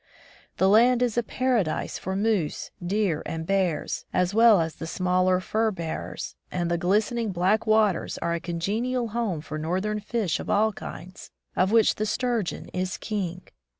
The land is a paradise for moose, deer and bears, as well as the smaller fur bearers, and the glistening black waters are a congenial home for northern fish of all kinds, of which the sturgeon is king.